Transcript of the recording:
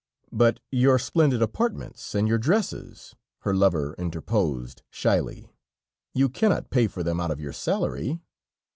"But your splendid apartments, and your dresses," her lover interposed shyly, "you cannot pay for them out of your salary."